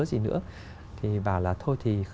gì nữa thì bảo là thôi thì